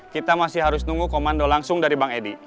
kita masih harus nunggu komando langsung dari bang edi